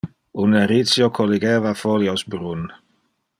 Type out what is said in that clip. Un ericio colligeva folios brun.